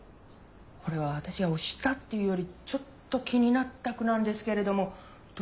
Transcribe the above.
これは私が推したというよりちょっと気になった句なんですけれどもどなたの？